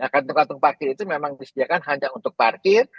kantung kantong parkir itu memang disediakan hanya untuk parkir